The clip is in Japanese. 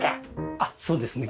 あっそうですねこれ。